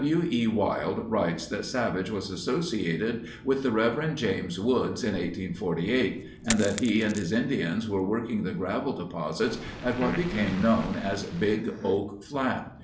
W E. Wilde writes that Savage was associated with the Rev. James Woods in 1848 and that he and his Indians were working the gravel deposits at what became known as Big Oak Flat.